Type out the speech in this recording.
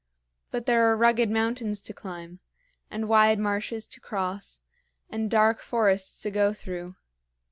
But there are rugged mountains to climb, and wide marshes to cross, and dark forests to go through.